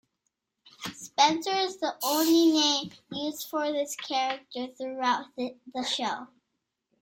Spenser is the only name used for this character throughout the show.